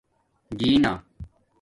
جینہ